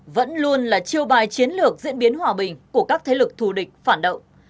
vẫn luôn là chiêu bài chiến lược diễn biến hòa bình của các thế lực thù địch phản động